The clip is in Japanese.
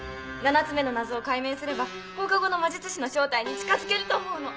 ７つ目の謎を解明すれば放課後の魔術師の正体に近づけると思うの。